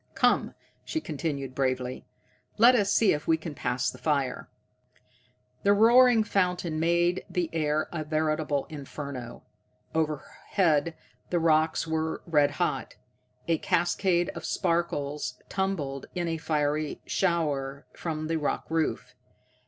"Come," she continued bravely, "let us see if we can pass the fire." The roaring fountain made the air a veritable inferno. Overhead the rocks were red hot. A cascade of sparks tumbled in a fiery shower from the rock roof.